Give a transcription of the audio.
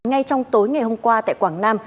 ngay trong tối ngày hôm qua tại quảng nam